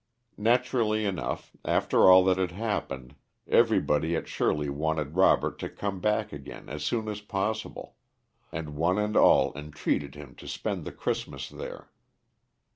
Naturally enough, after all that had happened, everybody at Shirley wanted Robert to come back again as soon as possible, and one and all entreated him to spend the Christmas there.